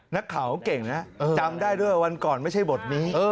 นักข่าวเก่งนะจำได้ด้วยวันก่อนไม่ใช่บทนี้